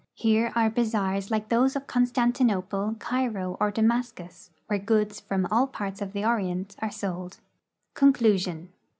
Here are bazaars like those of Constantinople, Cairo, or Damas cus, where goods from all parts of the Orient are sold. CONCLtSION.